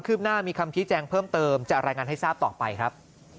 ืบหน้ามีคำชี้แจงเพิ่มเติมจะรายงานให้ทราบต่อไปครับ